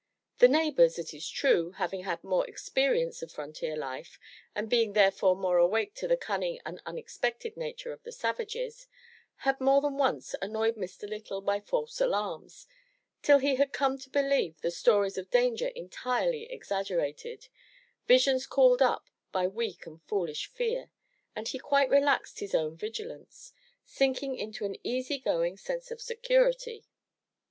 The neighbors, it is true, having had more experience of frontier life, and being therefore more awake to the cunning and tmexpected nature of the savages, had more than once annoyed Mr. Lytle by false alarms, till he had come to believe the stories of danger entirely exaggerated, visions called up by weak and foolish fear; and he quite relaxed his own vigilance, sinking into an easy going sense of security.